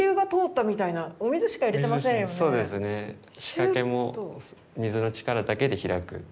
仕掛けも水の力だけで開くっていう。